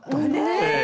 ええ。